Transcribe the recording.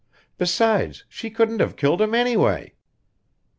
Besides, she couldn't have killed him, anyway."